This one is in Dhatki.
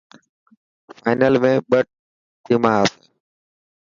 فانل ۾ ٻه ٽيما آسي.